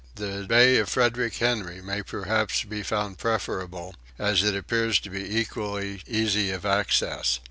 The bay of Frederick Henry may perhaps be found preferable, as it appears to be equally easy of access.